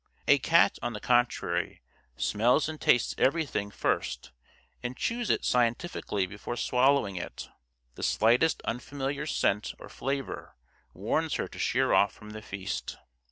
A cat, on the contrary, smells and tastes everything first and chews it scientifically before swallowing it. The slightest unfamiliar scent or flavor warns her to sheer off from the feast.